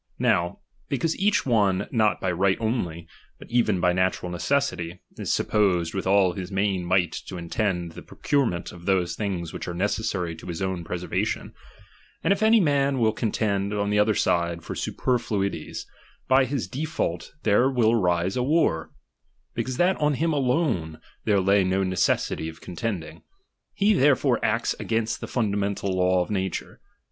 Now, because each one not by right only, but even by natural necessity, is supposed with all his main might to intend the procurement of those things which are necessary to his own preservation ; if any man will contend on the other side for superfluities, by his default there will arise a war ; because that on him alone there lay no necessity of contending ; he therefore acts against the fundamental law of nature.